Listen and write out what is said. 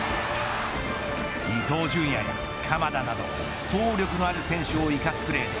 伊東純也や鎌田など走力のある選手を生かすプレー。